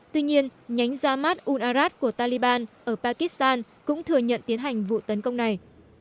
tuy nhiên nhánh ra mắt unarat của taliban ở pakistan cũng thừa nhận tiến hành vụ tấn công này